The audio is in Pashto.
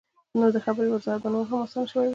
نو د خبرې وضاحت به نور هم اسان شوے وۀ -